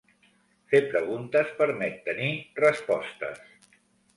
Fer preguntes permet tenir respostes.